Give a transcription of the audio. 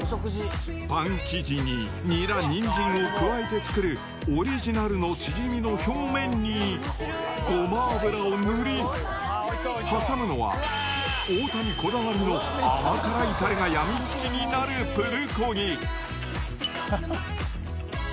パン生地にニラ、ニンジンを加えて作るオリジナルのチヂミの表面にゴマ油を塗り、挟むのは、大谷こだわりの甘辛いたれが病みつきになるプルコギ。